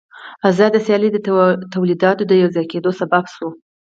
آزاده سیالي د تولیداتو د یوځای کېدو سبب شوه